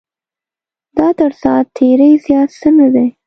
دا تر ساعت تېرۍ زیات څه نه دی.